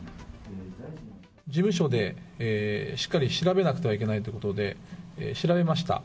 事務所でしっかり調べなくてはいけないということで、調べました。